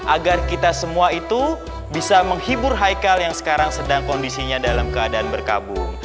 agar kita semua itu bisa menghibur haikal yang sekarang sedang kondisinya dalam keadaan berkabung